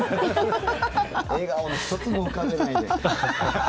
笑顔の一つも浮かべないで。